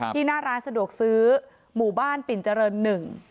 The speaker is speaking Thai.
หน้าร้านสะดวกซื้อหมู่บ้านปิ่นเจริญหนึ่ง